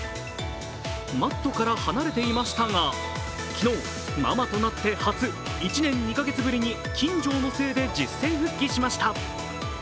マットから離れていましたが、昨日ママとなって初、１年２か月ぶりに金城の姓で実戦復帰しました。